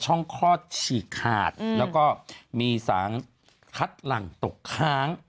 คลอดฉีกขาดแล้วก็มีสารคัดหลังตกค้าง